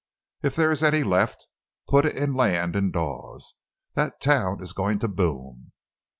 If there is any left, put it in land in Dawes—that town is going to boom.